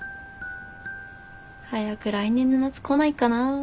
早く来年の夏来ないかな。